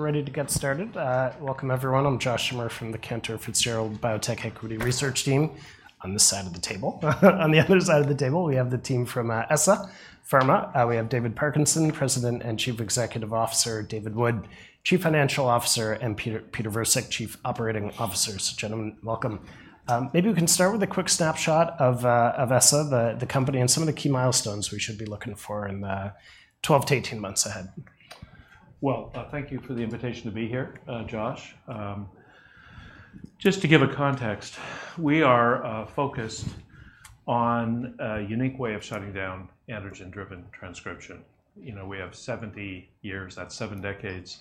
We're ready to get started. Welcome, everyone. I'm Josh Schimmer from the Cantor Fitzgerald Biotech Equity Research Team on this side of the table. On the other side of the table, we have the team from ESSA Pharma. We have David Parkinson, President and Chief Executive Officer, David Wood, Chief Financial Officer, and Peter Virsik, Chief Operating Officer. Gentlemen, welcome. Maybe we can start with a quick snapshot of ESSA, the company, and some of the key milestones we should be looking for in the 12-18 months ahead. Thank you for the invitation to be here, Josh. Just to give a context, we are focused on a unique way of shutting down androgen-driven transcription. You know, we have 70 years, that's seven decades,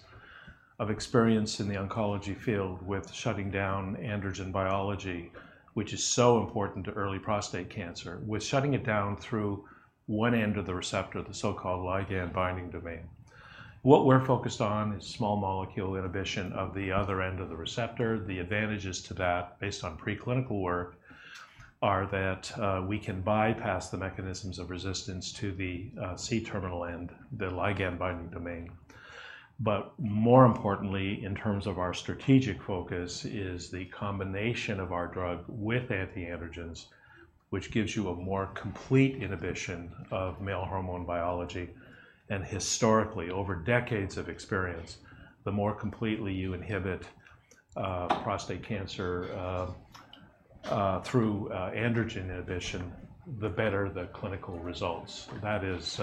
of experience in the oncology field with shutting down androgen biology, which is so important to early prostate cancer, with shutting it down through one end of the receptor, the so-called ligand binding domain. What we're focused on is small molecule inhibition of the other end of the receptor. The advantages to that, based on preclinical work, are that we can bypass the mechanisms of resistance to the C-terminal end, the ligand binding domain. But more importantly, in terms of our strategic focus, is the combination of our drug with anti-androgens, which gives you a more complete inhibition of male hormone biology. Historically, over decades of experience, the more completely you inhibit prostate cancer through androgen inhibition, the better the clinical results. That has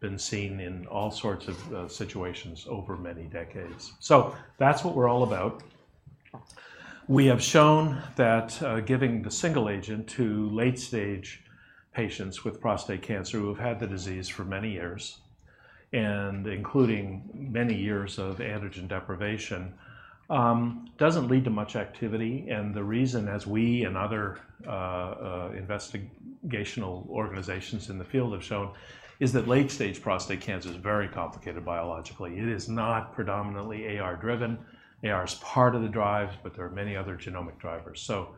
been seen in all sorts of situations over many decades. That's what we're all about. We have shown that giving the single agent to late-stage patients with prostate cancer who have had the disease for many years, and including many years of androgen deprivation, doesn't lead to much activity, and the reason, as we and other investigational organizations in the field have shown, is that late-stage prostate cancer is very complicated biologically. It is not predominantly AR driven. AR is part of the drive, but there are many other genomic drivers, so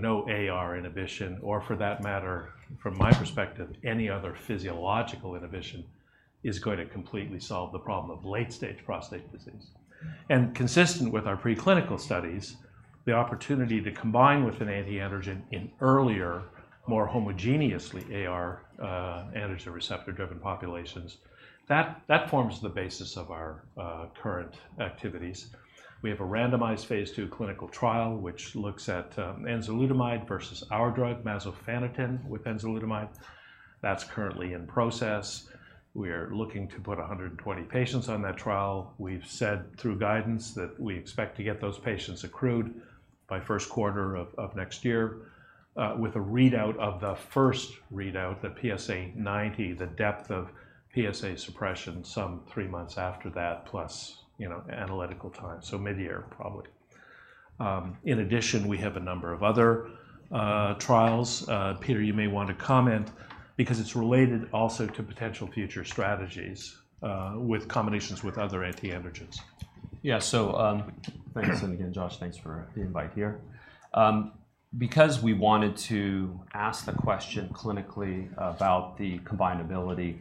no AR inhibition, or for that matter, from my perspective, any other physiological inhibition is going to completely solve the problem of late-stage prostate disease. And consistent with our preclinical studies, the opportunity to combine with an anti-androgen in earlier, more homogeneously AR, androgen receptor-driven populations, that forms the basis of our current activities. We have a randomized phase II clinical trial, which looks at enzalutamide versus our drug, masofaniten, with enzalutamide. That's currently in process. We're looking to put a hundred and twenty patients on that trial. We've said through guidance that we expect to get those patients accrued by first quarter of next year, with a readout of the first readout, the PSA90, the depth of PSA suppression some three months after that, plus, you know, analytical time, so mid-year, probably. In addition, we have a number of other trials. Peter, you may want to comment because it's related also to potential future strategies, with combinations with other anti-androgens. Yeah, so, thanks again, Josh. Thanks for the invite here. Because we wanted to ask the question clinically about the combinability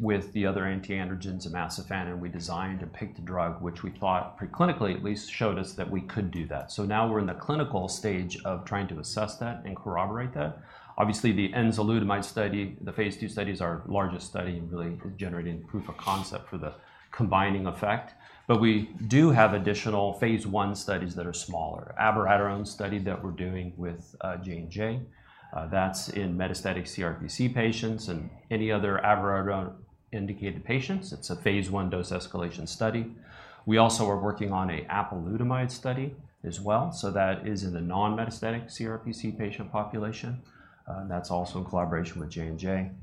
with the other anti-androgens of masofaniten, and we designed and picked a drug, which we thought, preclinically at least, showed us that we could do that, so now we're in the clinical stage of trying to assess that and corroborate that. Obviously, the enzalutamide study, the phase II study, is our largest study and really is generating proof of concept for the combining effect, but we do have additional phase I studies that are smaller. Abiraterone study that we're doing with Johnson & Johnson, that's in metastatic CRPC patients and any other abiraterone-indicated patients. It's a phase I dose-escalation study. We also are working on a apalutamide study as well, so that is in the non-metastatic CRPC patient population. That's also in collaboration with Johnson & Johnson.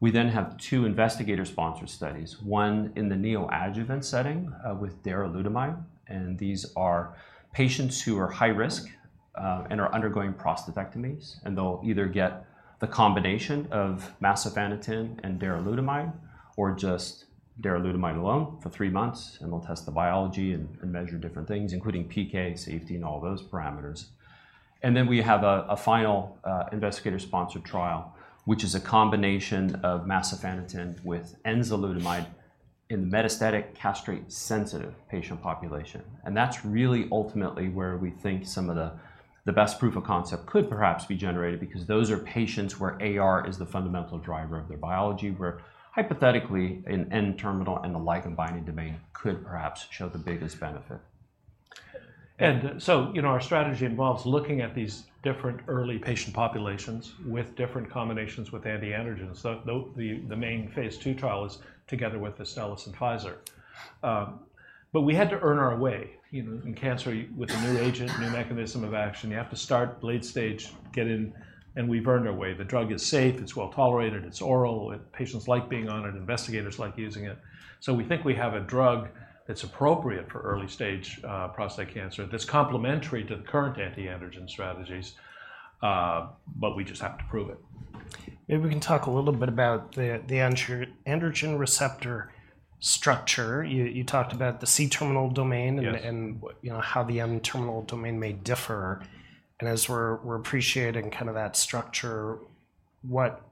We then have two investigator-sponsored studies, one in the neoadjuvant setting, with darolutamide, and these are patients who are high risk, and are undergoing prostatectomies, and they'll either get the combination of masofaniten and darolutamide or just darolutamide alone for three months, and we'll test the biology and measure different things, including PK, safety, and all those parameters. And then we have a final investigator-sponsored trial, which is a combination of masofaniten with enzalutamide in the metastatic castrate-sensitive patient population, and that's really ultimately where we think some of the best proof of concept could perhaps be generated because those are patients where AR is the fundamental driver of their biology, where hypothetically, an N-terminal and a ligand binding domain could perhaps show the biggest benefit. And so, you know, our strategy involves looking at these different early patient populations with different combinations with anti-androgens. The main phase II trial is together with Astellas and Pfizer, but we had to earn our way. You know, in cancer, with a new agent, new mechanism of action, you have to start late-stage, get in, and we've earned our way. The drug is safe, it's well-tolerated, it's oral, patients like being on it, investigators like using it, so we think we have a drug that's appropriate for early-stage prostate cancer, that's complementary to the current anti-androgen strategies, but we just have to prove it. Maybe we can talk a little bit about the androgen receptor structure. You talked about the C-terminal domain- Yes... and you know how the N-terminal domain may differ. And as we're appreciating kind of that structure, what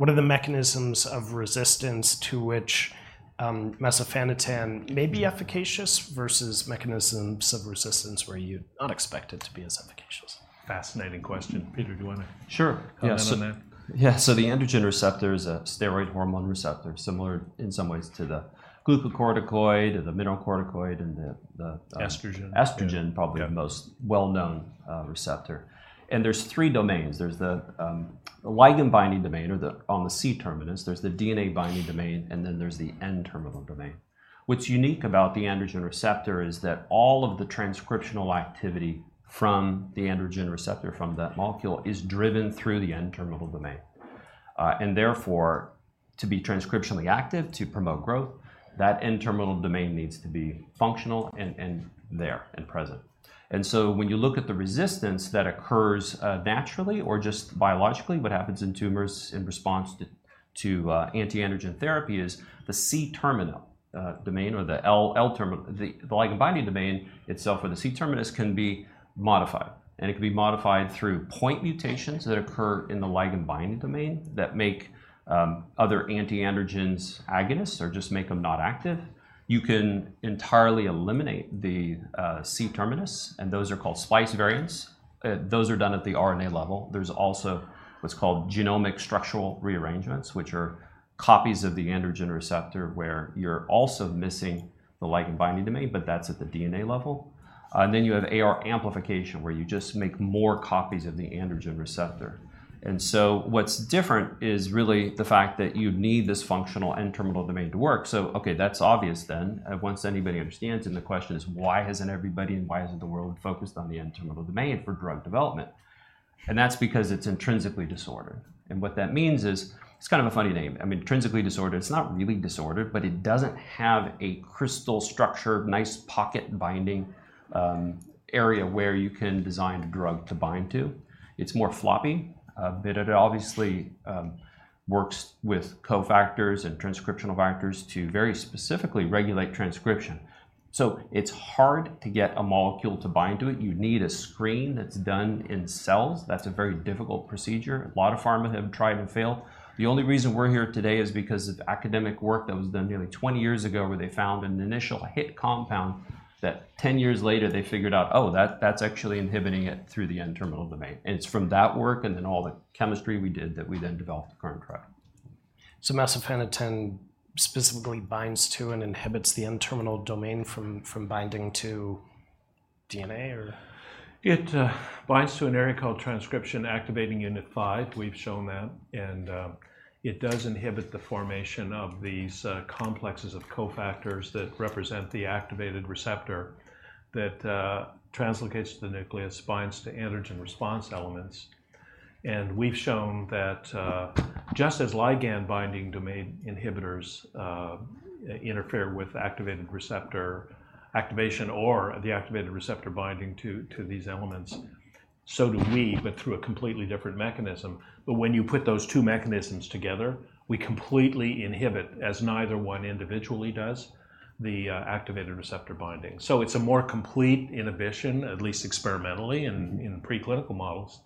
are the mechanisms of resistance to which masofaniten may be efficacious versus mechanisms of resistance where you'd not expect it to be as efficacious? Fascinating question. Peter, do you wanna- Sure. Comment on that? Yeah, so the androgen receptor is a steroid hormone receptor, similar in some ways to the glucocorticoid or the mineralocorticoid. Estrogen. Estrogen- Yeah probably the most well-known receptor. There's three domains. There's the ligand binding domain or the LBD on the C-terminus, there's the DNA binding domain, and then there's the N-terminal domain. What's unique about the androgen receptor is that all of the transcriptional activity from the androgen receptor from that molecule is driven through the N-terminal domain. Therefore, to be transcriptionally active, to promote growth, that N-terminal domain needs to be functional and present. So when you look at the resistance that occurs naturally or just biologically, what happens in tumors in response to anti-androgen therapy is the C-terminal domain or the LBD... The ligand binding domain itself or the C-terminus can be modified, and it can be modified through point mutations that occur in the ligand binding domain that make other anti-androgens agonists or just make them not active. You can entirely eliminate the C-terminus, and those are called splice variants. Those are done at the RNA level. There's also what's called genomic structural rearrangements, which are copies of the androgen receptor, where you're also missing the ligand binding domain, but that's at the DNA level. Then you have AR amplification, where you just make more copies of the androgen receptor. What's different is really the fact that you need this functional N-terminal domain to work. Okay, that's obvious then, once anybody understands, and the question is, why hasn't everybody and why isn't the world focused on the N-terminal domain for drug development? That's because it's intrinsically disordered. What that means is, it's kind of a funny name. I mean, intrinsically disordered, it's not really disordered, but it doesn't have a crystal structure, nice pocket binding area where you can design a drug to bind to. It's more floppy, but it obviously works with cofactors and transcriptional factors to very specifically regulate transcription. It's hard to get a molecule to bind to it. You need a screen that's done in cells. That's a very difficult procedure. A lot of pharma have tried and failed. The only reason we're here today is because of academic work that was done nearly twenty years ago, where they found an initial hit compound that ten years later, they figured out, "Oh, that, that's actually inhibiting it through the N-terminal domain." And it's from that work and then all the chemistry we did that we then developed the current drug. So masofaniten specifically binds to and inhibits the N-terminal domain from binding to DNA, or? It binds to an area called transcription activation unit 5. We've shown that, and, it does inhibit the formation of these, complexes of cofactors that represent the activated receptor that, translocates to the nucleus, binds to androgen response elements. And we've shown that, just as ligand binding domain inhibitors, interfere with activated receptor activation or the activated receptor binding to these elements, so do we, but through a completely different mechanism. But when you put those two mechanisms together, we completely inhibit, as neither one individually does, the, activated receptor binding. So it's a more complete inhibition, at least experimentally, in preclinical models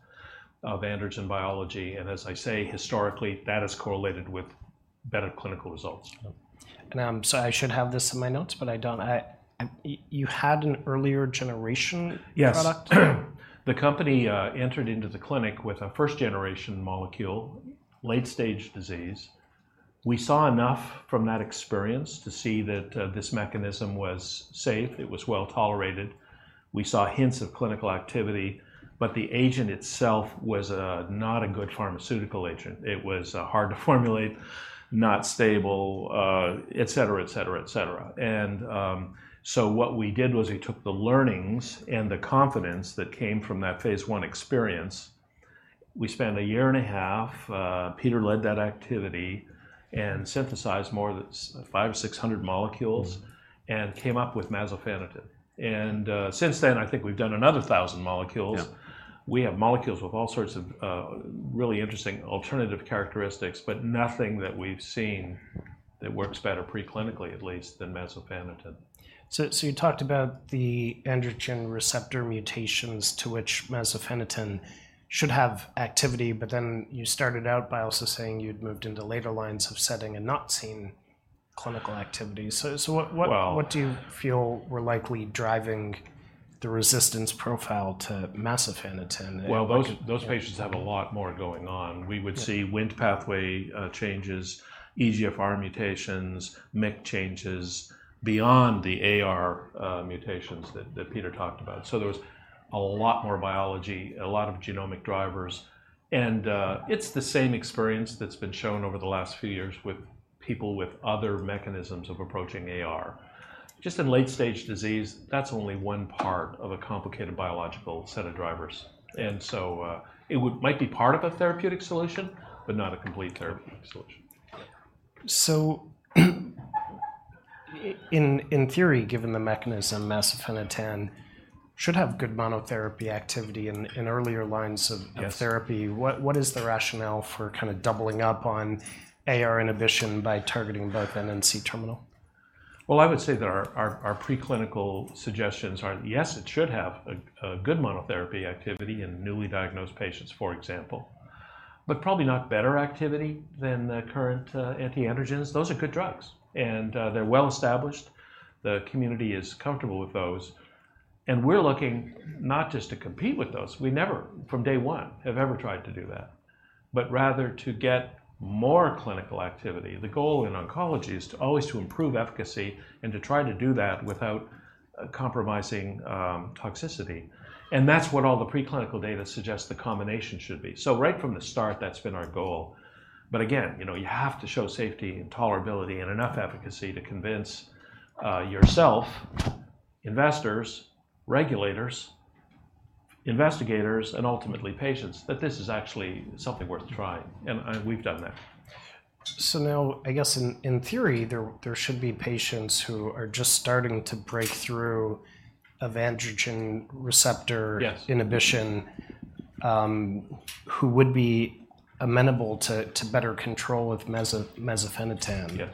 of androgen biology. And as I say, historically, that is correlated with better clinical results. I should have this in my notes, but I don't. I, you had an earlier generation- Yes... product? The company entered into the clinic with a first-generation molecule, late-stage disease. We saw enough from that experience to see that this mechanism was safe, it was well-tolerated. We saw hints of clinical activity, but the agent itself was not a good pharmaceutical agent. It was hard to formulate, not stable, et cetera, et cetera, et cetera. And so what we did was we took the learnings and the confidence that came from that phase I experience. We spent a year and a half, Peter led that activity, and synthesized more than five or six hundred molecules- Mm-hmm... and came up with masofaniten, and since then, I think we've done another thousand molecules. Yeah. We have molecules with all sorts of, really interesting alternative characteristics, but nothing that we've seen that works better preclinically, at least, than masofaniten. So, you talked about the androgen receptor mutations to which masofaniten should have activity, but then you started out by also saying you'd moved into later lines of therapy and not seen clinical activity. So, what- Well-... what do you feel were likely driving the resistance profile to masofaniten? And- Those patients have a lot more going on. Yeah. We would see WNT pathway changes, EGFR mutations, MEK changes beyond the AR mutations that Peter talked about. So there was a lot more biology, a lot of genomic drivers, and it's the same experience that's been shown over the last few years with people with other mechanisms of approaching AR. Just in late-stage disease, that's only one part of a complicated biological set of drivers. And so, it might be part of a therapeutic solution, but not a complete therapeutic solution. In theory, given the mechanism, masofaniten should have good monotherapy activity in earlier lines of- Yes... of therapy. What, what is the rationale for kind of doubling up on AR inhibition by targeting both the N and C terminal? I would say that our preclinical suggestions are, yes, it should have a good monotherapy activity in newly diagnosed patients, for example, but probably not better activity than the current anti-androgens. Those are good drugs, and they're well-established. The community is comfortable with those, and we're looking not just to compete with those, we never, from day one, have ever tried to do that, but rather to get more clinical activity. The goal in oncology is always to improve efficacy and to try to do that without compromising toxicity, and that's what all the preclinical data suggests the combination should be. So right from the start, that's been our goal. But again, you know, you have to show safety and tolerability and enough efficacy to convince yourself, investors, regulators, investigators, and ultimately patients, that this is actually something worth trying, and we've done that. Now, I guess in theory, there should be patients who are just starting to break through of androgen receptor- Yes inhibition, who would be amenable to better control with masofaniten. Yeah.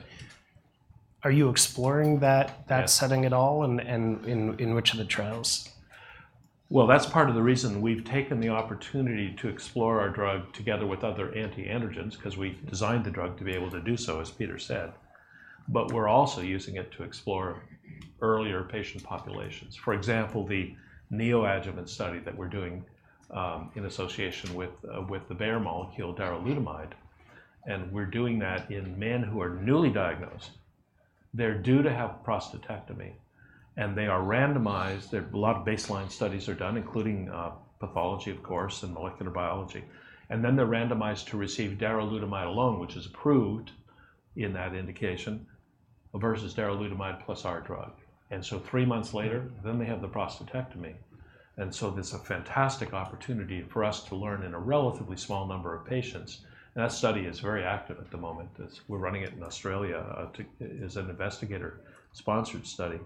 Are you exploring that? Yeah... that setting at all, and in which of the trials? That's part of the reason we've taken the opportunity to explore our drug together with other anti-androgens, 'cause we've designed the drug to be able to do so, as Peter said. But we're also using it to explore earlier patient populations. For example, the neoadjuvant study that we're doing, in association with the Bayer molecule, darolutamide, and we're doing that in men who are newly diagnosed. They're due to have prostatectomy, and they are randomized. Their blood baseline studies are done, including pathology, of course, and molecular biology, and then they're randomized to receive darolutamide alone, which is approved in that indication, versus darolutamide plus our drug. And so three months later, then they have the prostatectomy, and so it's a fantastic opportunity for us to learn in a relatively small number of patients. And that study is very active at the moment, as we're running it in Australia as an investigator-sponsored study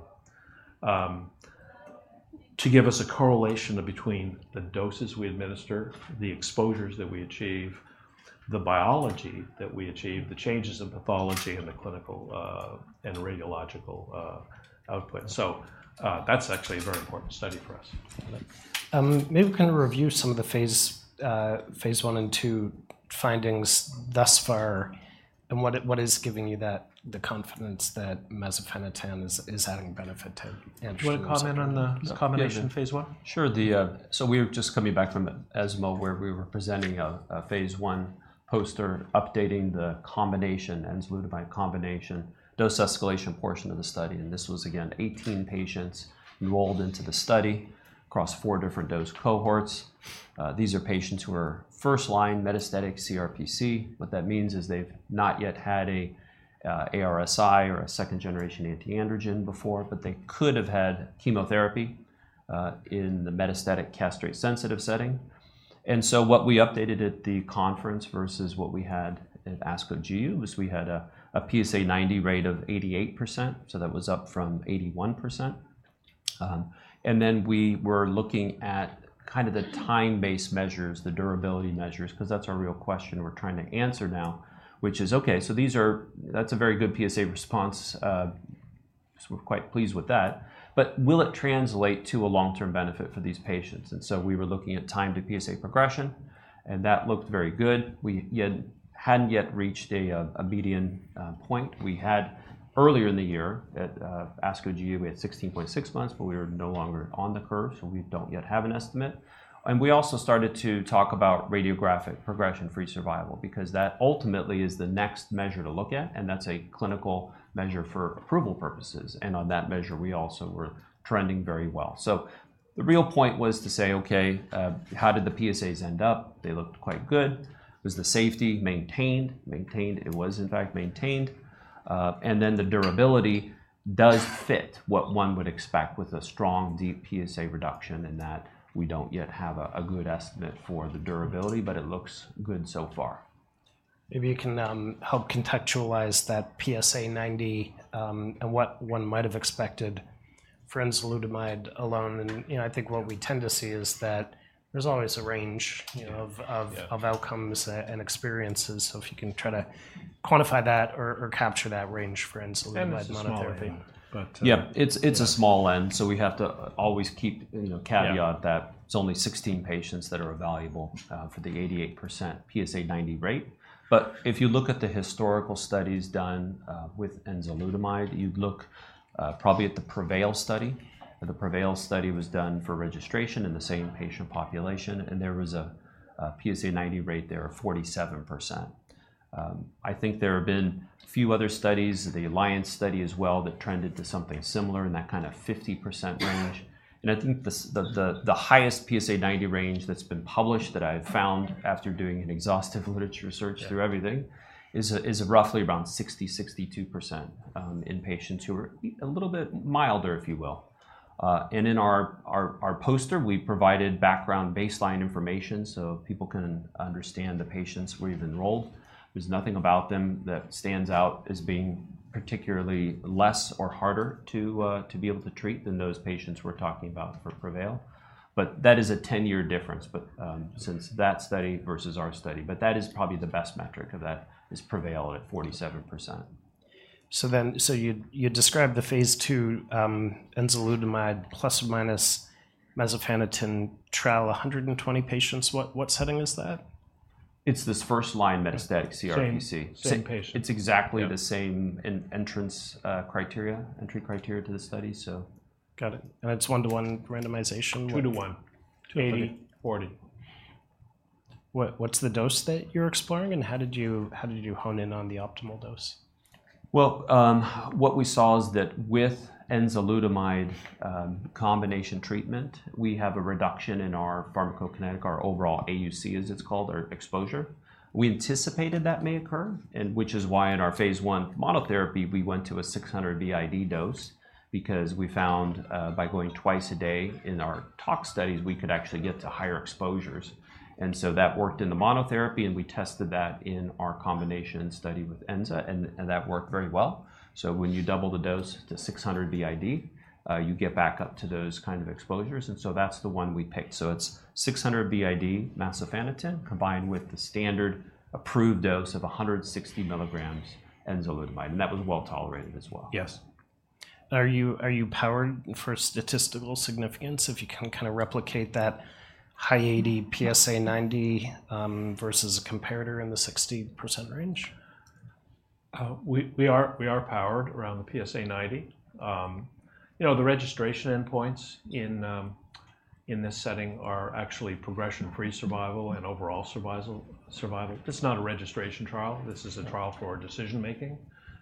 to give us a correlation between the doses we administer, the exposures that we achieve, the biology that we achieve, the changes in pathology and the clinical and radiological output. So that's actually a very important study for us. Maybe we can review some of the phase I and II findings thus far, and what is giving you that, the confidence that masofaniten is adding benefit to androgens- Do you want to comment on the combination phase I? Sure. So we're just coming back from ESMO, where we were presenting a phase I poster, updating the combination, enzalutamide combination, dose escalation portion of the study, and this was, again, 18 patients enrolled into the study across four different dose cohorts. These are patients who are first-line metastatic CRPC. What that means is they've not yet had a ARSI or a second-generation anti-androgen before, but they could have had chemotherapy in the metastatic castrate-sensitive setting. And so what we updated at the conference versus what we had at ASCO GU was we had a PSA90 rate of 88%, so that was up from 81%. And then we were looking at kind of the time-based measures, the durability measures, 'cause that's our real question we're trying to answer now, which is, okay, so these are... That's a very good PSA response. So we're quite pleased with that. But will it translate to a long-term benefit for these patients? And so we were looking at time to PSA progression, and that looked very good. We hadn't yet reached a median point. We had earlier in the year, at ASCO GU, we had 16.6 months, but we are no longer on the curve, so we don't yet have an estimate. And we also started to talk about radiographic progression-free survival, because that ultimately is the next measure to look at, and that's a clinical measure for approval purposes. And on that measure, we also were trending very well. So the real point was to say, "Okay, how did the PSAs end up?" They looked quite good. Was the safety maintained? Maintained. It was, in fact, maintained. And then the durability does fit what one would expect with a strong, deep PSA reduction, and that we don't yet have a good estimate for the durability, but it looks good so far. Maybe you can help contextualize that PSA90 and what one might have expected for enzalutamide alone. And, you know, I think what we tend to see is that there's always a range, you know- Yeah... of outcomes and experiences. So if you can try to quantify that or capture that range for enzalutamide monotherapy. It's a small n, but- Yeah, it's a small end, so we have to always keep, you know- Yeah... caveat that it's only 16 patients that are evaluable for the 88% PSA90 rate. But if you look at the historical studies done with enzalutamide, you'd look probably at the PREVAIL study. The PREVAIL study was done for registration in the same patient population, and there was a PSA90 rate there of 47%. I think there have been a few other studies, the Alliance study as well, that trended to something similar in that kind of 50% range. And I think the highest PSA90 rate that's been published, that I've found after doing an exhaustive literature search- Yeah... through everything, is roughly around 60%-62% in patients who are a little bit milder, if you will, and in our poster, we provided background baseline information so people can understand the patients we've enrolled. There's nothing about them that stands out as being particularly less or harder to be able to treat than those patients we're talking about for PREVAIL, but that is a 10-year difference but since that study versus our study, but that is probably the best metric of that, is PREVAIL at 47%. So then, you described the phase II enzalutamide plus or minus masofaniten trial, 120 patients. What setting is that? It's this first-line metastatic CRPC. Same, same patient. It's exactly the same entry criteria to the study, so. Got it, and it's one-to-one randomization? Two to one. Two to one. 80/40. What's the dose that you're exploring, and how did you hone in on the optimal dose? What we saw is that with enzalutamide combination treatment, we have a reduction in our pharmacokinetics, our overall AUC, as it's called, or exposure. We anticipated that may occur, and which is why in our phase one monotherapy, we went to a 600 BID dose because we found, by going twice a day in our tox studies, we could actually get to higher exposures. That worked in the monotherapy, and we tested that in our combination study with Enza, and that worked very well. When you double the dose to 600 BID, you get back up to those kind of exposures, and so that's the one we picked. It's 600 BID masofaniten combined with the standard approved dose of 160 milligrams enzalutamide, and that was well-tolerated as well. Yes. Are you powered for statistical significance if you can kind of replicate that high 80% PSA90 versus a comparator in the 60% range? We are powered around the PSA90. You know, the registration endpoints in this setting are actually progression-free survival and overall survival. It's not a registration trial. This is a trial for decision-making,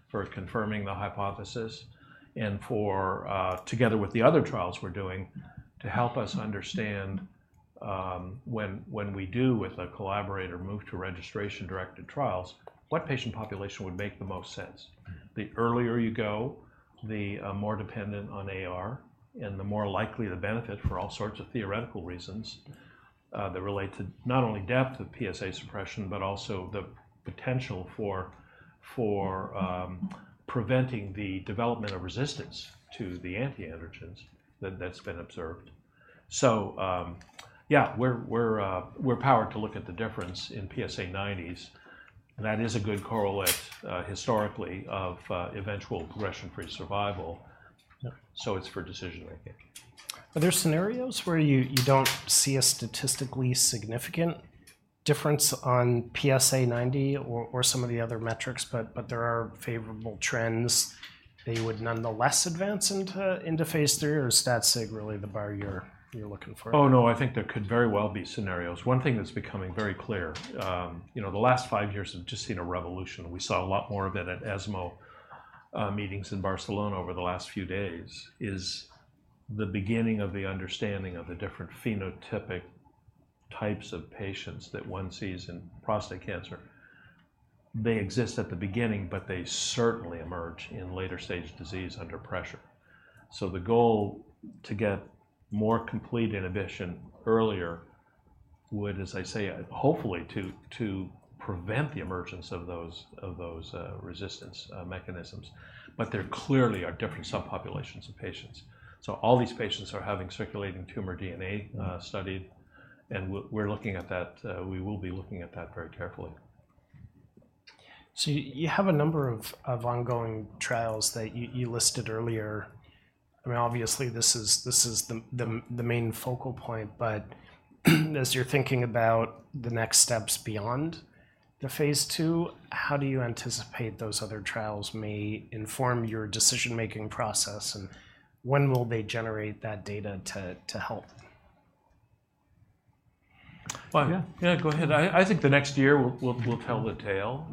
for confirming the hypothesis, and for, together with the other trials we're doing, to help us understand, when we do with a collaborator move to registration-directed trials, what patient population would make the most sense? The earlier you go, the more dependent on AR, and the more likely the benefit for all sorts of theoretical reasons that relate to not only depth of PSA suppression, but also the potential for preventing the development of resistance to the anti-androgens that's been observed. Yeah, we're powered to look at the difference in PSA90s, and that is a good correlate historically of eventual progression-free survival. Yeah. So it's for decision-making. Are there scenarios where you don't see a statistically significant difference on PSA90 or some of the other metrics, but there are favorable trends they would nonetheless advance into phase 3, or is stat sig really the bar you're looking for? Oh, no, I think there could very well be scenarios. One thing that's becoming very clear, you know, the last five years have just seen a revolution. We saw a lot more of it at ESMO meetings in Barcelona over the last few days is the beginning of the understanding of the different phenotypic types of patients that one sees in prostate cancer. They exist at the beginning, but they certainly emerge in later-stage disease under pressure. So the goal to get more complete inhibition earlier would, as I say, hopefully to prevent the emergence of those resistance mechanisms. But there clearly are different subpopulations of patients. So all these patients are having circulating tumor DNA studied, and we're looking at that. We will be looking at that very carefully. So you have a number of ongoing trials that you listed earlier. I mean, obviously, this is the main focal point, but as you're thinking about the next steps beyond the phase II how do you anticipate those other trials may inform your decision-making process, and when will they generate that data to help? Well- Yeah. Yeah, go ahead. I think the next year will tell the tale.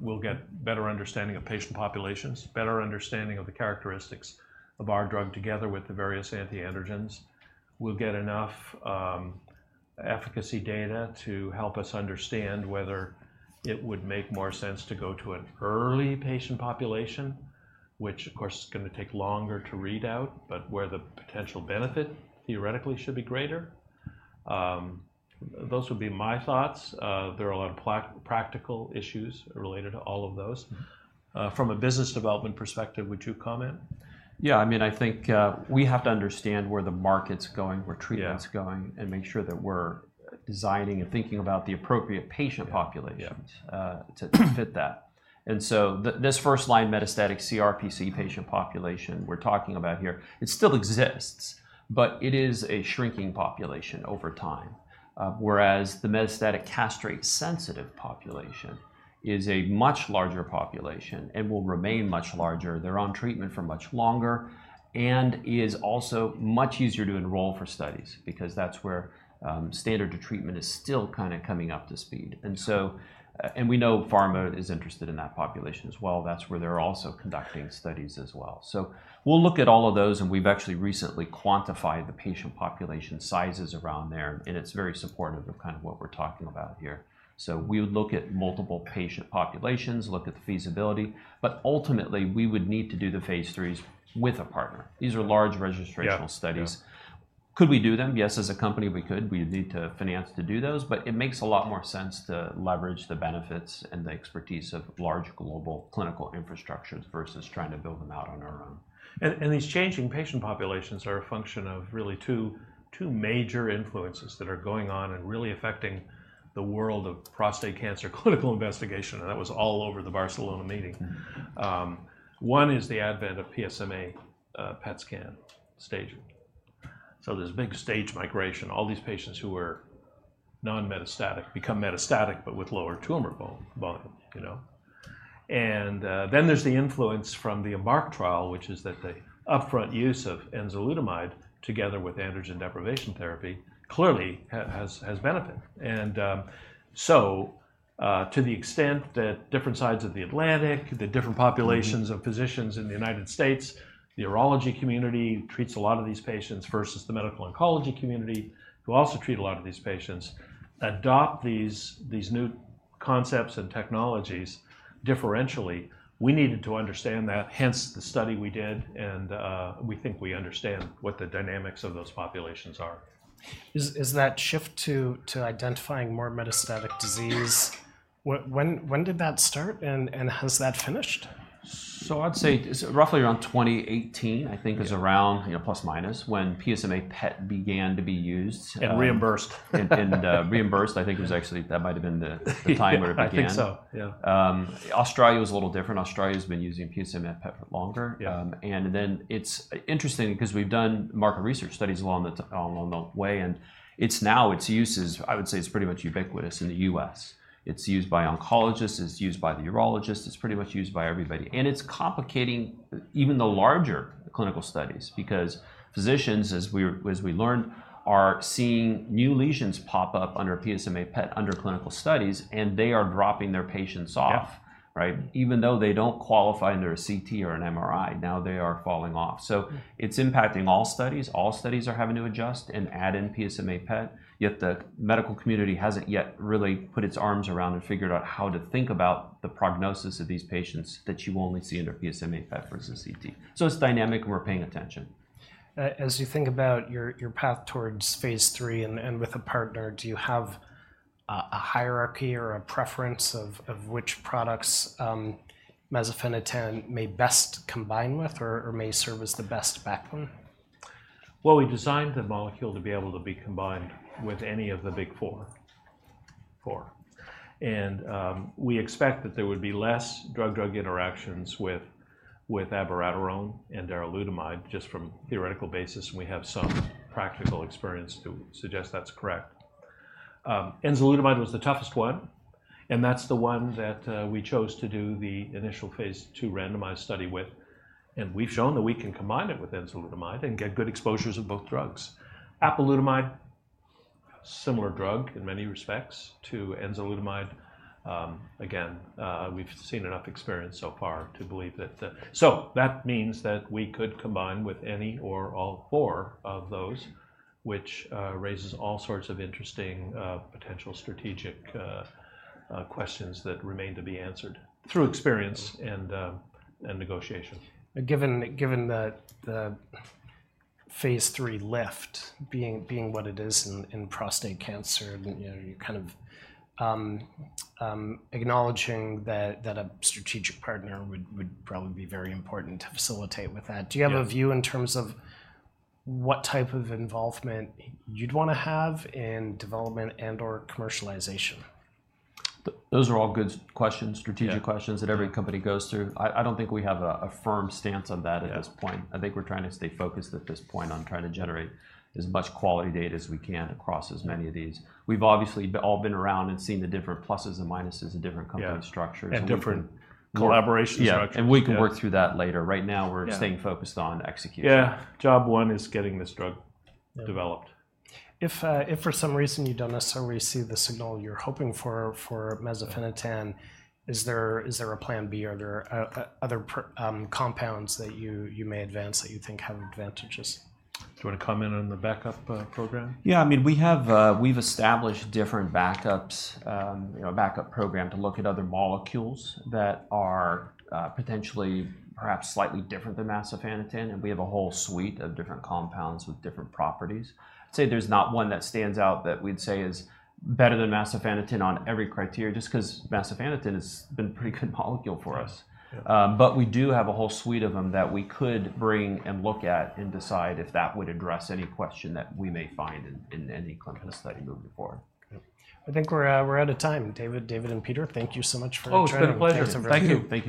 We'll get better understanding of patient populations, better understanding of the characteristics of our drug together with the various anti-androgens. We'll get enough efficacy data to help us understand whether it would make more sense to go to an early patient population, which of course is going to take longer to read out, but where the potential benefit theoretically should be greater. Those would be my thoughts. There are a lot of practical issues related to all of those. From a business development perspective, would you comment? Yeah, I mean, I think, we have to understand where the market's going, where treatment's- Yeah... going, and make sure that we're designing and thinking about the appropriate patient populations- Yeah, yeah... to fit that. And so this first-line metastatic CRPC patient population we're talking about here, it still exists, but it is a shrinking population over time. Whereas the metastatic castrate-sensitive population is a much larger population and will remain much larger, they're on treatment for much longer, and is also much easier to enroll for studies because that's where standard of treatment is still kind of coming up to speed. And so, and we know pharma is interested in that population as well. That's where they're also conducting studies as well. So we'll look at all of those, and we've actually recently quantified the patient population sizes around there, and it's very supportive of kind of what we're talking about here. So we would look at multiple patient populations, look at the feasibility, but ultimately, we would need to do the phase 3s with a partner. These are large registrational studies. Yeah, yeah. Could we do them? Yes, as a company, we could. We'd need financing to do those, but it makes a lot more sense to leverage the benefits and the expertise of large global clinical infrastructures versus trying to build them out on our own. These changing patient populations are a function of really two major influences that are going on and really affecting the world of prostate cancer clinical investigation, and that was all over the Barcelona meeting. Mm-hmm. One is the advent of PSMA PET scan staging. So there's a big stage migration. All these patients who were non-metastatic become metastatic, but with lower tumor volume, you know? And then there's the influence from the ARCHES trial, which is that the upfront use of enzalutamide together with androgen deprivation therapy clearly has benefit, and so to the extent that different sides of the Atlantic, the different populations- Mm-hmm... of physicians in the United States, the urology community treats a lot of these patients, versus the medical oncology community, who also treat a lot of these patients, adopt these new concepts and technologies differentially. We needed to understand that, hence the study we did, and we think we understand what the dynamics of those populations are. Is that shift to identifying more metastatic disease, when did that start, and has that finished? So I'd say it's roughly around 2018, I think- Yeah... was around, you know, plus, minus, when PSMA PET began to be used. And reimbursed. reimbursed, I think it was actually... That might have been the... Yeah... timer at the end. I think so, yeah. Australia was a little different. Australia's been using PSMA PET for longer. Yeah. And then it's interesting because we've done market research studies along the way, and it's now, its use is, I would say, it's pretty much ubiquitous in the U.S. It's used by oncologists, it's used by the urologists. It's pretty much used by everybody, and it's complicating even the larger clinical studies because physicians, as we're, as we learn, are seeing new lesions pop up under PSMA PET under clinical studies, and they are dropping their patients off- Yeah... right? Even though they don't qualify under a CT or an MRI, now they are falling off. Yeah. So it's impacting all studies. All studies are having to adjust and add in PSMA PET, yet the medical community hasn't yet really put its arms around and figured out how to think about the prognosis of these patients that you only see under PSMA PET versus CT. So it's dynamic, and we're paying attention. As you think about your path towards phase III, and with a partner, do you have a hierarchy or a preference of which products, masofaniten may best combine with, or may serve as the best backbone? We designed the molecule to be able to be combined with any of the big four. And we expect that there would be less drug-drug interactions with abiraterone and darolutamide, just from theoretical basis, and we have some practical experience to suggest that's correct. Enzalutamide was the toughest one, and that's the one that we chose to do the initial phase II randomized study with, and we've shown that we can combine it with enzalutamide and get good exposures of both drugs. Apalutamide, similar drug in many respects to enzalutamide. Again, we've seen enough experience so far to believe that. So that means that we could combine with any or all four of those, which raises all sorts of interesting potential strategic questions that remain to be answered through experience and negotiation. Given that the phase III lift being what it is in prostate cancer, and, you know, you're kind of acknowledging that a strategic partner would probably be very important to facilitate with that- Yeah... do you have a view in terms of what type of involvement you'd wanna have in development and/or commercialization? Those are all good questions, strategic questions- Yeah... that every company goes through. I don't think we have a firm stance on that at this point. Yeah. I think we're trying to stay focused at this point on trying to generate as much quality data as we can across as many of these. We've obviously all been around and seen the different pluses and minuses of different company structures- Yeah... and different- Collaboration structures. Yeah. Yeah. And we can work through that later. Right now- Yeah... we're staying focused on execution. Yeah. Job one is getting this drug developed. If for some reason you don't necessarily see the signal you're hoping for for masofaniten, is there a plan B, are there other compounds that you may advance that you think have advantages? Do you wanna comment on the backup, program? Yeah, I mean, we have, we've established different backups, you know, a backup program to look at other molecules that are, potentially perhaps slightly different than masofaniten, and we have a whole suite of different compounds with different properties. I'd say there's not one that stands out that we'd say is better than masofaniten on every criteria, just 'cause masofaniten has been a pretty good molecule for us. Yeah. But we do have a whole suite of them that we could bring and look at and decide if that would address any question that we may find in any clinical study moving forward. Okay. I think we're out of time. David, David, and Peter, thank you so much for your time. Oh, it's been a pleasure. Thanks very much. Thank you. Thank you.